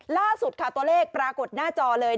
ล่าสุดค่ะตัวเลขปรากฏหน้าจอเลย